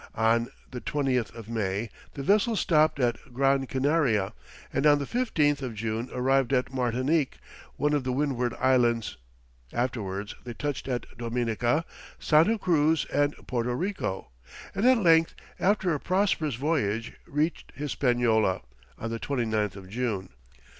On the 20th of May, the vessels stopped at Gran Canaria, and on the 15th of June arrived at Martinique, one of the Windward Islands; afterwards they touched at Dominica, Santa Cruz, and Porto Rico, and at length, after a prosperous voyage, reached Hispaniola, on the 29th of June.